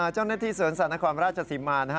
เจ้าหน้าที่สวนสัตว์นครราชศรีมานะฮะ